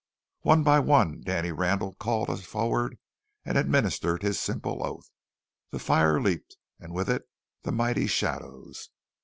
One by one Danny Randall called us forward and administered his simple oath. The fire leaped, and with it the mighty shadows.